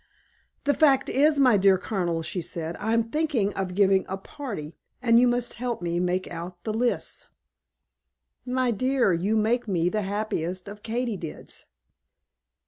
"The fact is, my dear Colonel," she said, "I am thinking of giving a party, and you must help me make out the lists." "My dear, you make me the happiest of Katy dids."